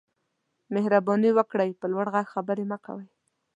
مهرباني وکړئ په لوړ غږ خبرې مه کوئ